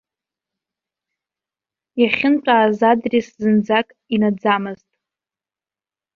Иахьынтәааз адрес зынӡак ианӡамызт.